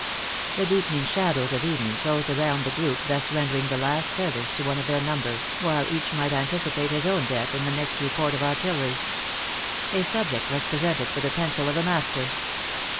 The deepening shadows of evening closed around the group thus rendering the last service to one of their number, while each might anticipate his own death in the next report of artillery. A subject was presented for the pencil of a master.